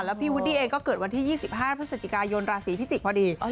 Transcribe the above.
แล้วพี่วุดดี้เองก็เกิดวันที่๒๕พฤศจิกายนราศีพิจิกษพอดี